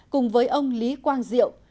cùng với ông lý quang diệu